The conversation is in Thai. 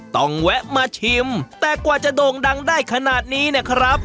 แวะมาชิมแต่กว่าจะโด่งดังได้ขนาดนี้เนี่ยครับ